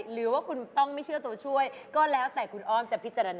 หรือว่าคุณต้องไม่เชื่อตัวช่วยก็แล้วแต่คุณอ้อมจะพิจารณา